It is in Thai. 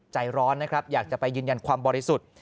ใจร้อนนะครับอยากจะไปยืนยันความบริสุทธิ์